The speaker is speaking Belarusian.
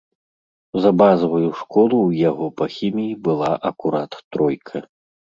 За базавую школу ў яго па хіміі была акурат тройка.